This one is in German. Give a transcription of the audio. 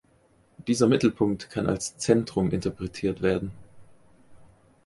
Dieser Mittelpunkt kann als Zentrum interpretiert werden.